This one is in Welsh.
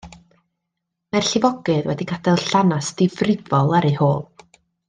Mae'r llifogydd wedi gadael llanast difrifol ar eu hôl.